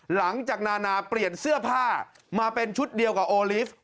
นานาเปลี่ยนเสื้อผ้ามาเป็นชุดเดียวกับโอลิฟต์